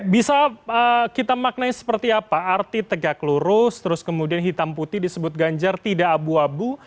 bisa kita maknai seperti apa arti tegak lurus terus kemudian hitam putih disebut ganjar tidak abu abu